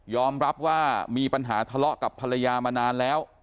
รับว่ามีปัญหาทะเลาะกับภรรยามานานแล้ว